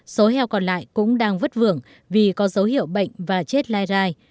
số heo còn lại cũng đang vứt vưởng vì có dấu hiệu bệnh và chết lai rai